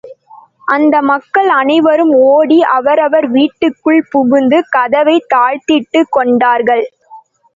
அந்த மக்கள் அனைவரும் ஓடி அவரவர் வீட்டுக்குள் புகுந்து கதவைத் தாழிட்டுக் கொண்டார்கள்.